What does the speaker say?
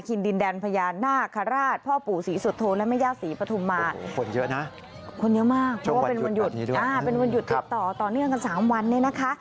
คนเยอะมากเพราะว่าเป็นวันหยุดต่อต่อเนื่องกัน๓วันน่ะนะคะ